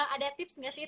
ada tips gak sih